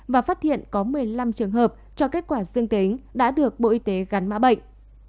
và phát hiện có một mươi năm trường hợp cho kết quả dương tính đã được bộ y tế gắn mã bệnh